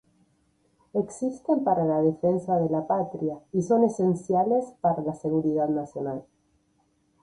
Existen para la defensa de la patria y son esenciales para la seguridad nacional.